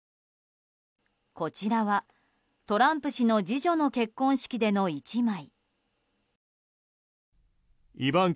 こちらはトランプ氏の次女の結婚式での１枚。